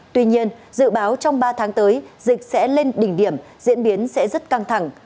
tuy nhiên dự báo trong ba tháng tới dịch sẽ lên đỉnh điểm diễn biến sẽ rất căng thẳng